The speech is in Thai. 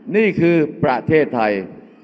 นี่คือประเทศไทย